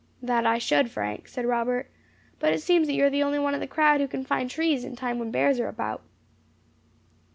"That I should, Frank," said Robert; "but it seems that you are the only one of the crowd who can find trees in time when bears are about."